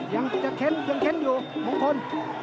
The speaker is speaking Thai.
ยังเค้นอยู่มงคล